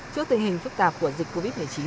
trước tình hình phức tạp của dịch covid một mươi chín